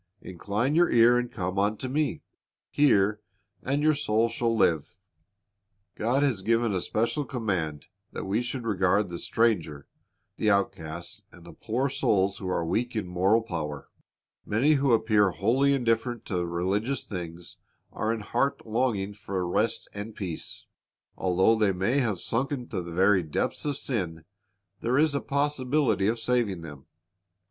Incline your ear, and come unto Me: hear, and your soul shall live." ^ God has given a special command that we should regard the stranger, the outcast, and the poor souls who are weak in moral power. Many who appear w^holly indifferent to religious things are in heart longing for rest and peace. Although they may have sunken to the very depths of sin, there is a possibility of saving them.